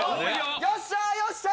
よっしゃよっしゃ